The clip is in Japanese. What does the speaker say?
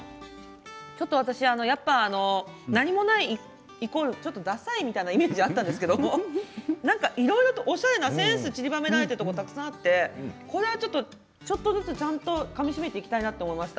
ちょっと私やっぱり何もないイコールちょっとださいみたいなイメージがあったんですけどいろいろとおしゃれなセンスがちりばめられているところがたくさんあってこれは、ちょっとずつちゃんとかみしめていきたいなと思いました。